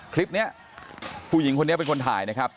คลิปนี้ผู้หญิงคนนี้เป็นคนถ่ายนะครับ